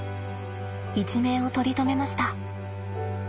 一命を取り留めました。